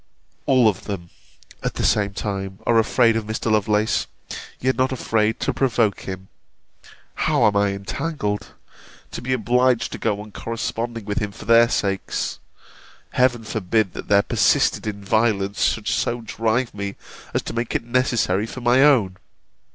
All of them, at the same time, are afraid of Mr. Lovelace; yet not afraid to provoke him! How am I entangled! to be obliged to go on corresponding with him for their sakes Heaven forbid, that their persisted in violence should so drive me, as to make it necessary for my own!